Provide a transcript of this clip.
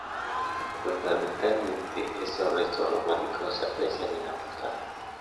Fundamentalmente, estos restos románicos se aprecian en la portada.